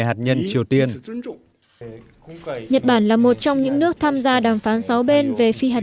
hạt nhân triều tiên nhật bản là một trong những nước tham gia đàm phán sáu bên về phi hạt